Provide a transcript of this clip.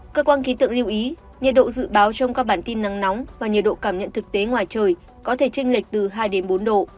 cơ quan khí tượng lưu ý nhiệt độ dự báo trong các bản tin nắng nóng và nhiệt độ cảm nhận thực tế ngoài trời có thể tranh lệch từ hai đến bốn độ